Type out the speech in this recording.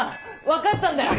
分かったんだよ！